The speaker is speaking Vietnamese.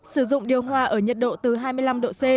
sử dụng điều hòa ở nhiệt độ từ hai mươi năm độ c